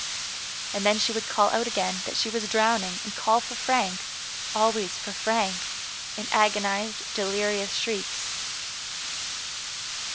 And then she would call out again that she was drowning, and call for Frank, always for Frank, in agonized, delirious shrieks.